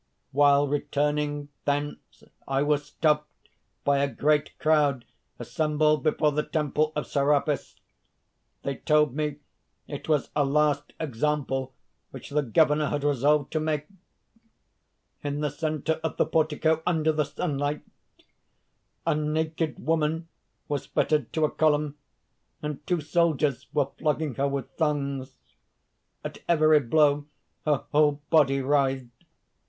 "While returning thence, I was stopped by a great crowd assembled before the temple of Serapis. They told me it was a last example which the Governor had resolved to make. In the centre of the portico, under the sunlight, a naked woman was fettered to a column, and two soldiers were flogging her with thongs; at every blow her whole body writhed.